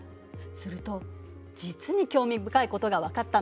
すると実に興味深いことが分かったの。